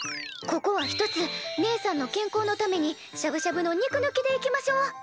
ここはひとつねえさんの健康のためにしゃぶしゃぶの肉ぬきでいきましょう！